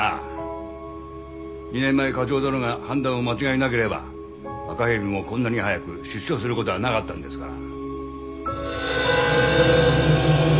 ２年前課長殿が判断を間違えなければ赤蛇もこんなに早く出所することはなかったんですから。